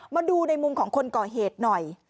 มาดูในมุมของคนก่อเหตุหน่อย